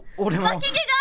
わき毛が！